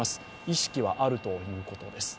意識はあるということです。